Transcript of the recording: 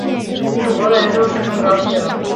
赌博的人都十分高兴